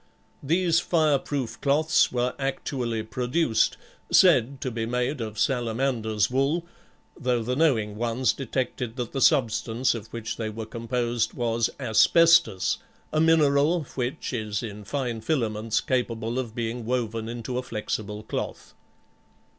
These fire proof cloths were actually produced, said to be made of salamander's wool, though the knowing ones detected that the substance of which they were composed was asbestos, a mineral, which is in fine filaments capable of being woven into a flexible cloth.